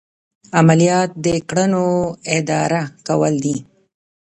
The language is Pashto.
عملیات د کړنو اداره کول دي.